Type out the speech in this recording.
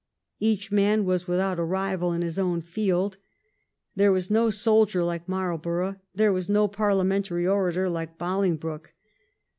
Each man was without a rival in his own field. There was no soldier like Marlborough; there was no parlia mentary orator like Bolingbroke.